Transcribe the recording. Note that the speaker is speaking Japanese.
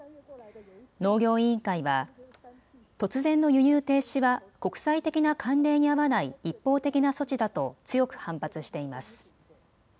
農業委員会は突然の輸入停止は国際的な慣例に合わない一方的な措置だと強く反発しています。